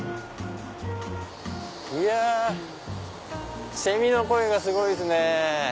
いやセミの声がすごいっすね。